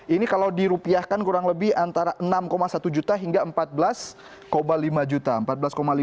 ini kalau dirupiahkan kurang lebih antara enam satu juta hingga empat belas lima juta